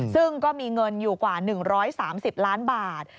ซึ่งก็มีเงินอยู่กว่า๑๓๐ล้านบาท